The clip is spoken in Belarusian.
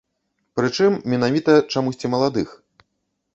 Прычым, менавіта чамусьці маладых.